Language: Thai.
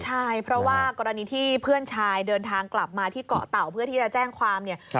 ใช่เพราะว่ากรณีที่เพื่อนชายเดินทางกลับมาที่เกาะเต่าเพื่อที่จะแจ้งความเนี่ย